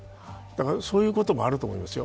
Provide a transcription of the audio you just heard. そういうこともあると思いますよ。